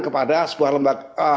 kepada sebuah lembaga